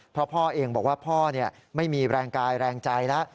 เพราะพ่อเองบอกว่าพ่อไม่มีแรงกายแรงใจแล้ว